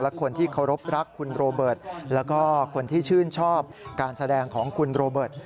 และคนที่เคารพรักคุณโรเบิร์ตแล้วก็คนที่ชื่นชอบการแสดงของคุณโรเบิร์ต